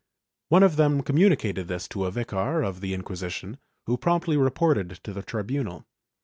One of them commmiicated this to a vicar of the Inquisition who promptly reported to the tribunal.